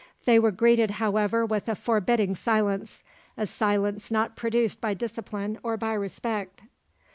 They were greeted however with a forbidding silence, a silence not produced by discipline or by respect.